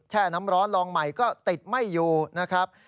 น้ำร้อนลองใหม่ก็ติดไม่อยู่นะครับ